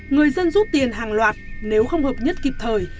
người dân rút tiền hàng loạt nếu không hợp nhất kịp thời